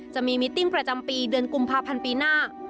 จะมีมิตติ้งประจำปีเดือนกุมภาพันธ์ปีหน้า